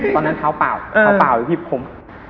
ตอนนั้นเท้าเปล่าเท้าเปล่าอยู่ที่ผม